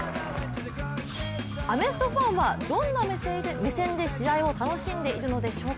アメフトファンはどんな目線で試合を楽しんでいるのでしょうか。